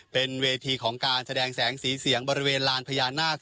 เป็นเวทีของการแสดงแสงสีเสียงบริเวณลานพญานาค